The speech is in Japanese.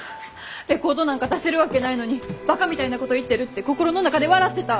レコードなんか出せるわけないのにバカみたいなこと言ってるって心の中で笑ってた？